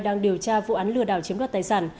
đang điều tra vụ án lừa đảo chiếm đoạt tài sản